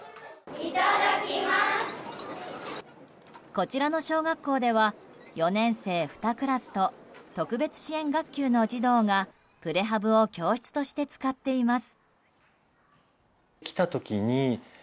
こちらの小学校では４年生２クラスと特別支援学級の児童がプレハブを教室として使っています。